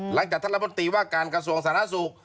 หลังจากท่านรับบนตรีว่าการกระทรวงสาธารณสุข